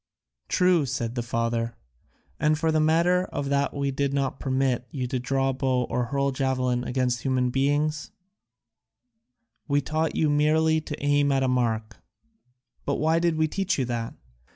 "True," said the father, "and for the matter of that we did not permit you to draw bow or hurl javelin against human beings; we taught you merely to aim at a mark. But why did we teach you that?